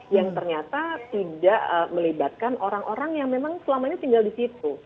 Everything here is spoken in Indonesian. yang ternyata tidak melibatkan orang orang yang memang selama ini tinggal di situ